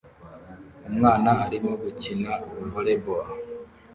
Umwana arimo gukina volly boll